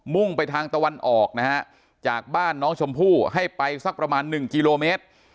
่งไปทางตะวันออกนะฮะจากบ้านน้องชมพู่ให้ไปสักประมาณ๑กิโลเมตร